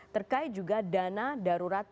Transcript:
terkait juga dana darurat